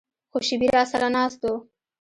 څو شېبې راسره ناست و.